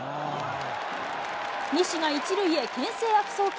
西が一塁へ、けん制悪送球。